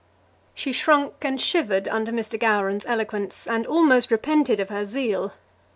She shrunk and shivered under Mr. Gowran's eloquence, and almost repented of her zeal.